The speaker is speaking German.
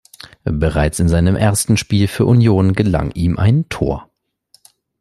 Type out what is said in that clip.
Bereits in seinem ersten Spiel für Union gelang ihm ein Tor.